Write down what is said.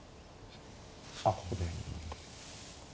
あっここで。